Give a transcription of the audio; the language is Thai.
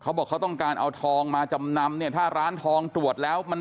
เพราะว่าทองคำแท่งน้ำหนักจะเป็นจากโรงงาน